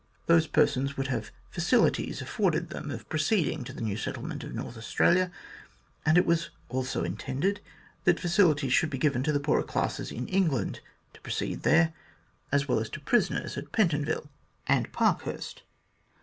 Those persons would have facilities afforded them of proceeding to the new settlement of North Australia, and it was also intended that facilities should be given to the poorer classes in England to proceed there, as well as to prisoners at Penton 52 THE GLADSTONE COLONY ville and Parkhurst.